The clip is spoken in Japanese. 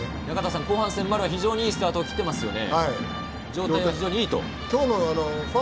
後半戦、丸は非常にいいスタートを切っていますよね。